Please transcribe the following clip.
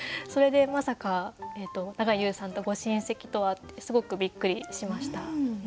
それでまさか永井祐さんとご親戚とはってすごくびっくりしました。